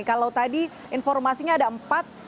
kalau tadi informasinya ada empat